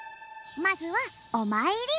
まずはおまいり。